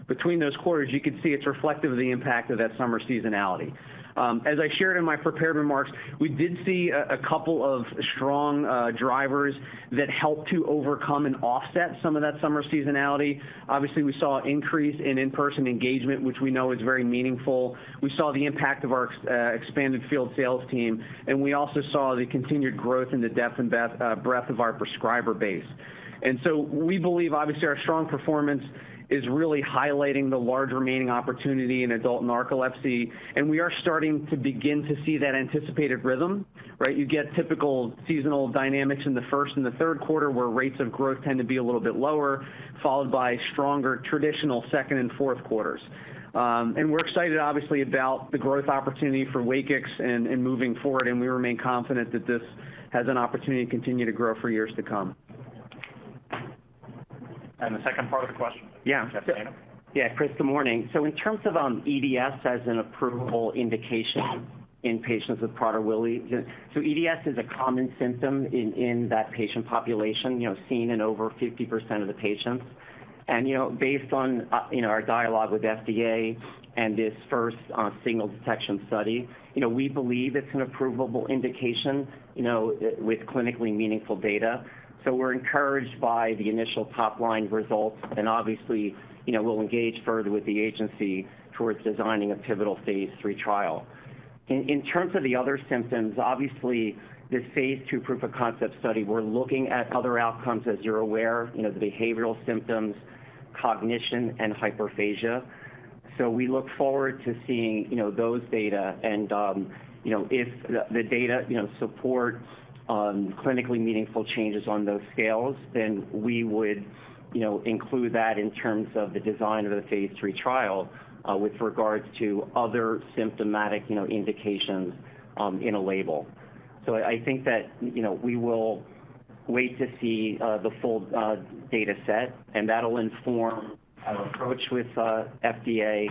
between those quarters, you could see it's reflective of the impact of that summer seasonality. As I shared in my prepared remarks, we did see a couple of strong drivers that helped to overcome and offset some of that summer seasonality. Obviously, we saw an increase in in-person engagement, which we know is very meaningful. We saw the impact of our expanded field sales team, and we also saw the continued growth in the depth and breadth of our prescriber base. We believe obviously our strong performance is really highlighting the large remaining opportunity in adult narcolepsy, and we are starting to begin to see that anticipated rhythm, right? You get typical seasonal dynamics in the first and the third quarter, where rates of growth tend to be a little bit lower, followed by stronger traditional second and fourth quarters. We're excited obviously about the growth opportunity for Wakix and moving forward, and we remain confident that this has an opportunity to continue to grow for years to come. The second part of the question. Yeah. Dr. Dayno? Yeah. Chris, good morning. In terms of EDS as an approvable indication in patients with Prader-Willi, EDS is a common symptom in that patient population, you know, seen in over 50% of the patients. Based on our dialogue with FDA and this first signal detection study, you know, we believe it's an approvable indication, you know, with clinically meaningful data. We're encouraged by the initial top-line results, and obviously, you know, we'll engage further with the agency towards designing a pivotal phase III trial. In terms of the other symptoms, obviously, this phase II proof of concept study, we're looking at other outcomes, as you're aware, you know, the behavioral symptoms, cognition, and hyperphagia. We look forward to seeing, you know, those data and, you know, if the data, you know, supports clinically meaningful changes on those scales, then we would, you know, include that in terms of the design of the phase III trial, with regards to other symptomatic, you know, indications, in a label. I think that, you know, we will wait to see the full data set, and that'll inform our approach with FDA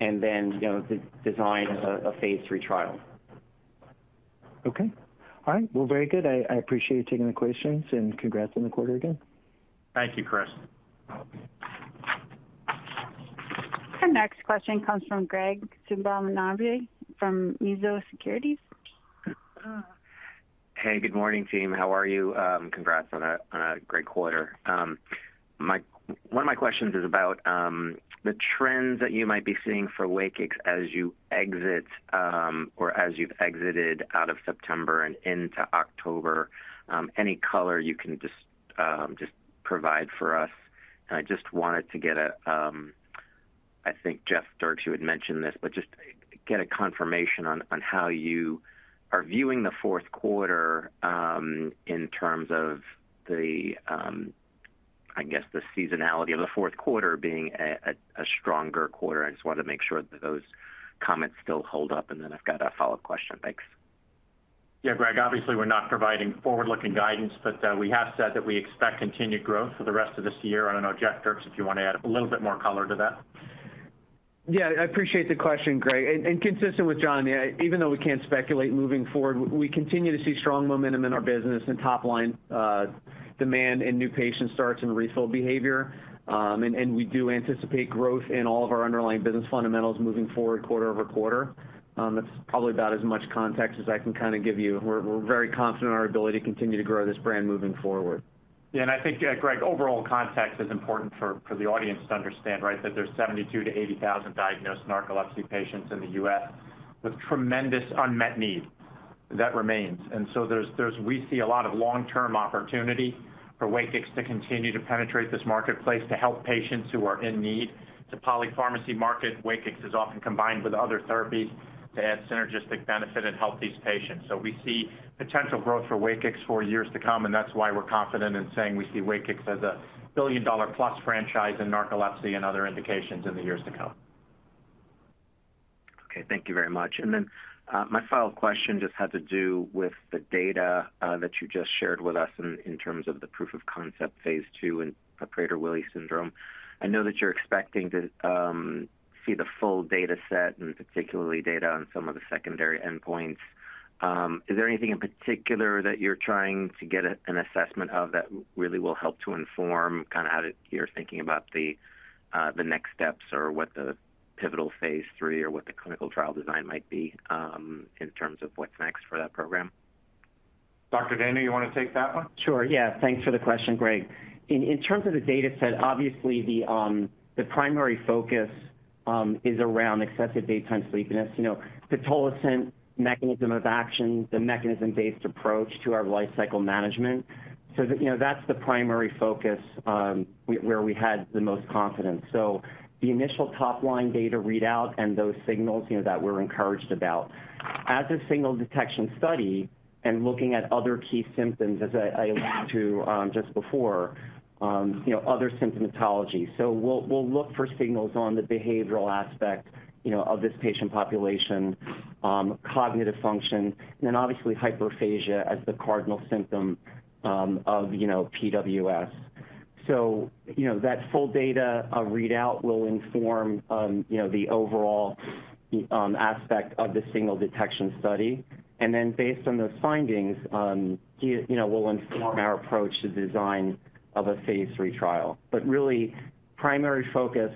and then, you know, design a phase III trial. Okay. All right. Well, very good. I appreciate you taking the questions, and congrats on the quarter again. Thank you, Chris. Our next question comes from Graig Suvannavejh from Mizuho Securities. Hey, good morning, team. How are you? Congrats on a great quarter. One of my questions is about the trends that you might be seeing for Wakix as you exit, or as you've exited out of September and into October. Any color you can just provide for us. I just wanted to get a, I think Jeffrey Dierks, you had mentioned this, but just get a confirmation on how you are viewing the fourth quarter, in terms of the, I guess, the seasonality of the fourth quarter being a stronger quarter. I just wanted to make sure that those comments still hold up, and then I've got a follow-up question. Thanks. Yeah, Graig, obviously, we're not providing forward-looking guidance, but we have said that we expect continued growth for the rest of this year. I don't know, Jeffrey Dierks, if you wanna add a little bit more color to that. Yeah. I appreciate the question, Graig. Consistent with John, yeah, even though we can't speculate moving forward, we continue to see strong momentum in our business and top line, demand in new patient starts and refill behavior. We do anticipate growth in all of our underlying business fundamentals moving forward quarter over quarter. That's probably about as much context as I can kinda give you. We're very confident in our ability to continue to grow this brand moving forward. Yeah. I think, Graig, overall context is important for the audience to understand, right, that there's 72-80 thousand diagnosed narcolepsy patients in the U.S. with tremendous unmet need that remains. We see a lot of long-term opportunity for Wakix to continue to penetrate this marketplace to help patients who are in need. It's a polypharmacy market. Wakix is often combined with other therapies to add synergistic benefit and help these patients. We see potential growth for Wakix for years to come, and that's why we're confident in saying we see Wakix as a billion-dollar plus franchise in narcolepsy and other indications in the years to come. Okay. Thank you very much. My final question just had to do with the data that you just shared with us in terms of the proof of concept phase II in Prader-Willi syndrome. I know that you're expecting to see the full data set and particularly data on some of the secondary endpoints. Is there anything in particular that you're trying to get an assessment of that really will help to inform kinda how you're thinking about the next steps or what the pivotal phase III or what the clinical trial design might be in terms of what's next for that program? Dr. Dayno, you wanna take that one? Sure, yeah. Thanks for the question, Graig. In terms of the dataset, obviously, the primary focus is around excessive daytime sleepiness. You know, pitolisant mechanism of action, the mechanism-based approach to our lifecycle management. That's the primary focus, where we had the most confidence. The initial top-line data readout and those signals, you know, that we're encouraged about. As a signal detection study and looking at other key symptoms, as I alluded to, just before, you know, other symptomatology. We'll look for signals on the behavioral aspect, you know, of this patient population, cognitive function, and obviously hyperphagia as the cardinal symptom, of PWS. That full data readout will inform, you know, the overall aspect of the signal detection study. Based on those findings, you know, we'll inform our approach to design of a phase III trial. Really primary focus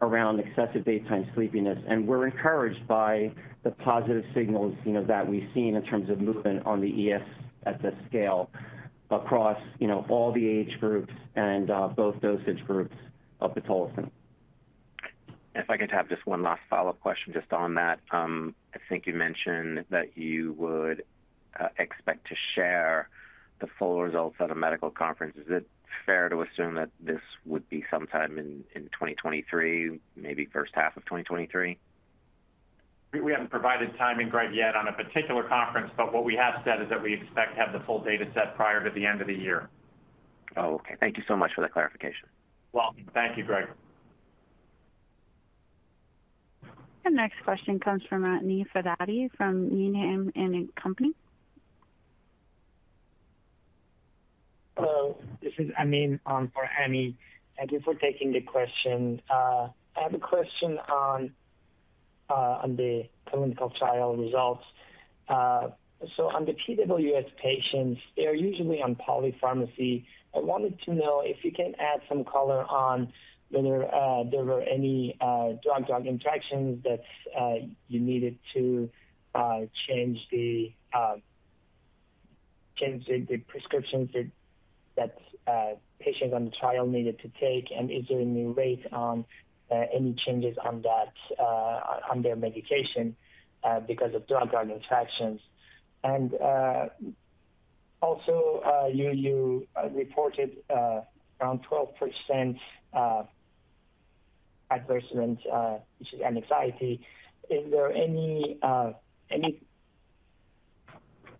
around excessive daytime sleepiness, and we're encouraged by the positive signals, you know, that we've seen in terms of movement on the ESS scale across, you know, all the age groups and both dosage groups of pitolisant. If I could have just one last follow-up question just on that. I think you mentioned that you would expect to share the full results at a medical conference. Is it fair to assume that this would be sometime in 2023, maybe first half of 2023? We haven't provided timing, Graig, yet on a particular conference, but what we have said is that we expect to have the full data set prior to the end of the year. Oh, okay. Thank you so much for that clarification. Welcome. Thank you, Graig. The next question comes from Amin Fadia from B. Riley and Company. Hello. This is Amin for Amy. Thank you for taking the question. I have a question on the clinical trial results. So on the PWS patients, they are usually on polypharmacy. I wanted to know if you can add some color on whether there were any drug-drug interactions that you needed to change the prescriptions that patients on the trial needed to take, and is there any rate on any changes on that on their medication because of drug-drug interactions? Also, you reported around 12% adverse event, which is anxiety. Is there anything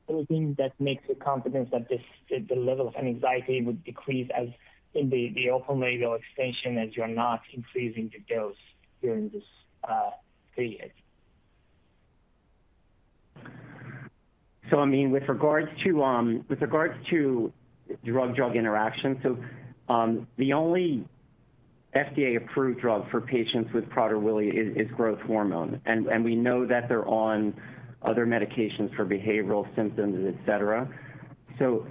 that makes you confident that the level of anxiety would decrease as in the open-label extension as you're not increasing the dose during this period? Amin, with regards to drug-drug interaction. The only FDA-approved drug for patients with Prader-Willi is growth hormone, and we know that they're on other medications for behavioral symptoms, et cetera.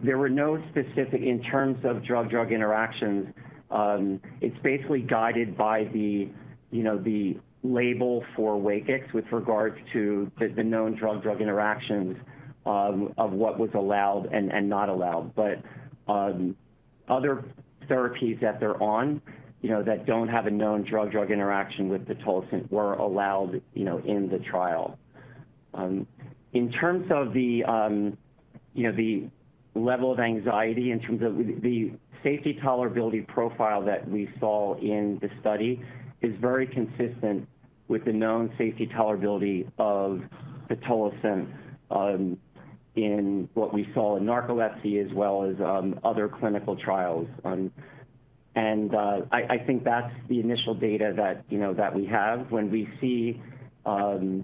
There were no specific in terms of drug-drug interactions. It's basically guided by the, you know, the label for Wakix with regards to the known drug-drug interactions of what was allowed and not allowed. Other therapies that they're on, you know, that don't have a known drug-drug interaction with pitolisant were allowed, you know, in the trial. In terms of the level of anxiety, you know, the safety and tolerability profile that we saw in the study is very consistent with the known safety and tolerability of pitolisant with what we saw in narcolepsy as well as other clinical trials. I think that's the initial data that you know that we have. When we see the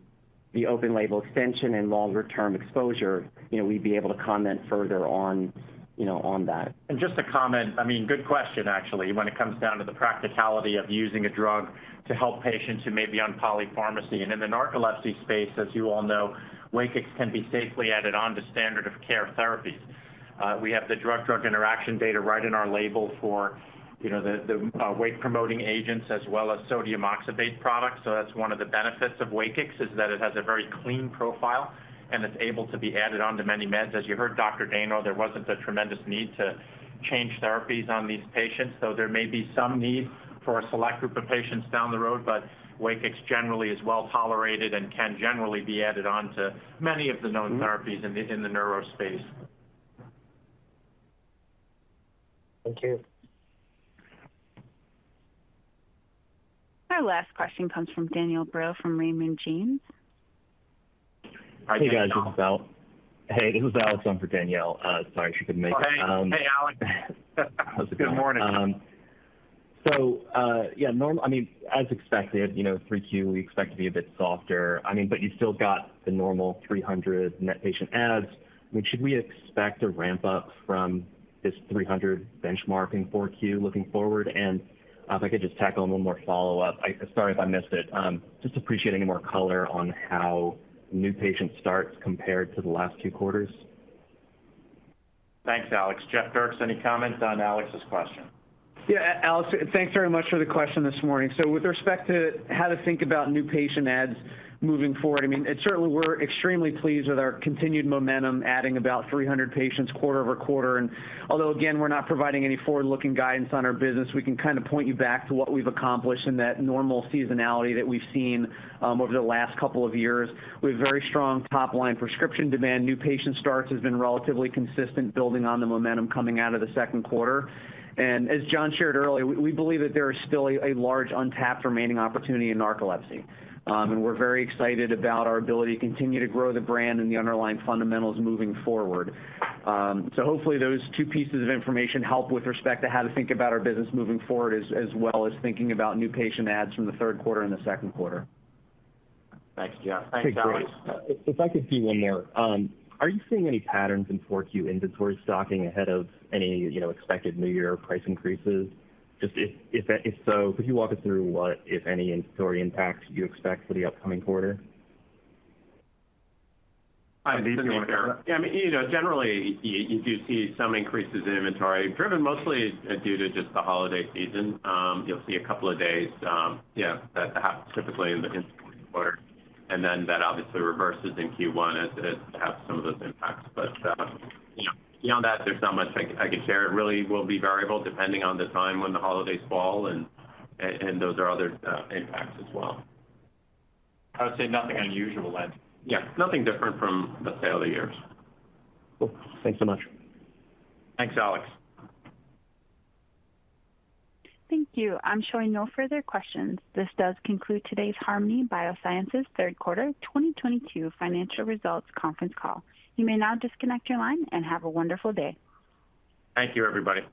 open label extension and longer-term exposure you know we'd be able to comment further on you know on that. Just to comment, I mean, good question, actually, when it comes down to the practicality of using a drug to help patients who may be on polypharmacy. In the narcolepsy space, as you all know, Wakix can be safely added on to standard of care therapies. We have the drug-drug interaction data right in our label for, you know, the wake-promoting agents as well as sodium oxybate products. That's one of the benefits of Wakix, is that it has a very clean profile, and it's able to be added onto many meds. As you heard Dr. Dayno, there wasn't a tremendous need to change therapies on these patients, though there may be some need for a select group of patients down the road. Wakix generally is well-tolerated and can generally be added on to many of the known therapies in the neuro space. Thank you. Our last question comes from Danielle Brill, from Raymond James. Hi, guys. This is Alex. Hey, this is Alex on for Danielle. Sorry she couldn't make it. Hey. Hey, Alex. How's it going? Good morning. As expected, you know, 3Q, we expect to be a bit softer. I mean, but you still got the normal 300 net patient adds. I mean, should we expect a ramp up from this 300 benchmarking 4Q looking forward? If I could just tackle one more follow-up. I'm sorry if I missed it. Just appreciating more color on how new patient starts compared to the last two quarters. Thanks, Alex. Jeffrey Dierks, any comments on Alex's question? Yeah, Alex, thanks very much for the question this morning. With respect to how to think about new patient adds moving forward, I mean, it's certainly we're extremely pleased with our continued momentum, adding about 300 patients quarter-over-quarter. Although, again, we're not providing any forward-looking guidance on our business, we can kind of point you back to what we've accomplished in that normal seasonality that we've seen over the last couple of years. We have very strong top-line prescription demand. New patient starts has been relatively consistent, building on the momentum coming out of the second quarter. As John shared earlier, we believe that there is still a large untapped remaining opportunity in narcolepsy. We're very excited about our ability to continue to grow the brand and the underlying fundamentals moving forward. Hopefully those two pieces of information help with respect to how to think about our business moving forward as well as thinking about new patient adds from the third quarter and the second quarter. Thanks, Jeff. Thanks, Alex. If I could do one more. Are you seeing any patterns in 4Q inventory stocking ahead of any, you know, expected new year price increases? If so, could you walk us through what, if any, inventory impacts you expect for the upcoming quarter? This is John Jacobs. I mean, you know, generally you do see some increases in inventory, driven mostly due to just the holiday season. You'll see a couple of days typically in the inventory quarter. Then that obviously reverses in Q1 as it has some of those impacts. You know, beyond that, there's not much I can share. It really will be variable depending on the time when the holidays fall and those are other impacts as well. I would say nothing unusual then. Yeah, nothing different from the same other years. Cool. Thanks so much. Thanks, Alex. Thank you. I'm showing no further questions. This does conclude today's Harmony Biosciences third quarter 2022 financial results conference call. You may now disconnect your line and have a wonderful day. Thank you, everybody.